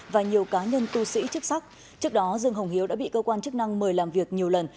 và nhiều cá nhân tu sĩ chức sắc trước đó dương hồng hiếu đã bị cơ quan chức năng mời làm việc nhiều lần